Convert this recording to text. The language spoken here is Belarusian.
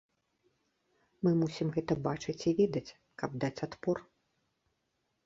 Мы мусім гэта бачыць і ведаць, каб даць адпор.